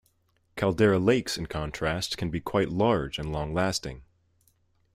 Caldera lakes in contrast can be quite large and long-lasting.